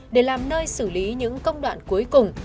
để làm nơi xử lý những công đoạn cuối cùng